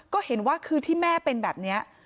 ก็เห็นว่าคือที่แม่เป็นแบบนี้